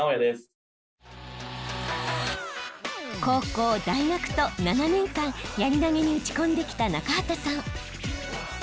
高校大学と７年間やり投げに打ち込んできた中畠さん。